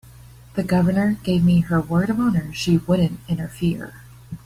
The Governor gave me her word of honor she wouldn't interfere.